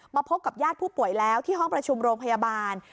พบกับญาติผู้ป่วยแล้วที่ห้องประชุมโรงพยาบาล